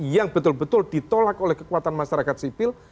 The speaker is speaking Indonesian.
yang betul betul ditolak oleh kekuatan masyarakat sipil